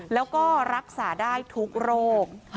แล้วก็รักษาได้ทุกโรค